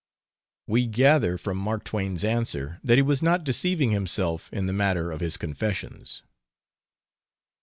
We gather from Mark Twain's answer that he was not deceiving himself in the matter of his confessions.